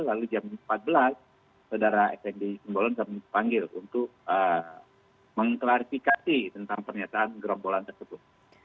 lalu jam empat belas saudara fnd simbolon kami panggil untuk mengklarifikasi tentang pernyataan gerombolan tersebut